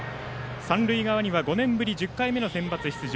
三塁側には５年ぶり１０回目のセンバツ出場